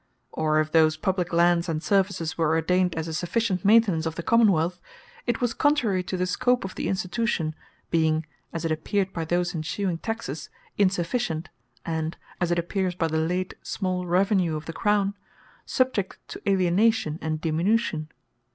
Or if those publique Lands, and Services, were ordained as a sufficient maintenance of the Common wealth, it was contrary to the scope of the Institution; being (as it appeared by those ensuing Taxes) insufficient, and (as it appeares by the late Revenue of the Crown) Subject to Alienation, and Diminution.